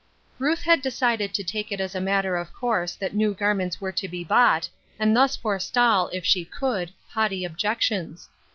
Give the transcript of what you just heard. Ruth had decided to take it as a matter of course that new garments were to be bought, and thus forestall, if she could, haughty objec tions.